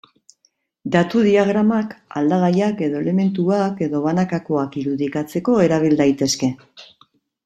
Datu diagramak aldagaiak edo elementuak edo banakoak irudikatzeko erabil daitezke.